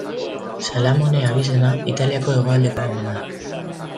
Salamone abizena Italiako hegoaldekoa omen da.